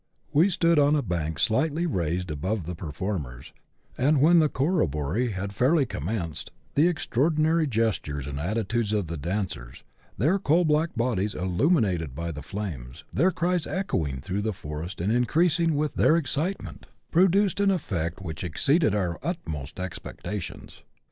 We stood on a bank slightly raised above the performers, and when the " corro bory" had fairly commenced, the extraordinary gestures and attitudes of the dancers, their coal black bodies illuminated by the flames, their cries echoing through the forest and increasing with their excitement, produced an effect which exceeded our utmost expectations.